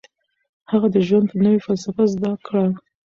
هغه د ژوند نوې فلسفه زده کړه.